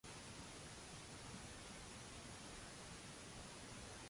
Ir-raġel ġie arrestat mill-pulizija.